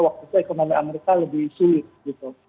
waktu itu ekonomi amerika lebih sulit gitu